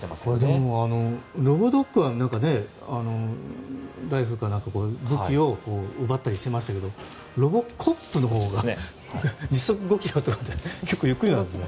でも、ロボドッグはライフルか何か、武器を奪ったりしてましたけどロボコップのほうは時速５キロって結構ゆっくりなんですね。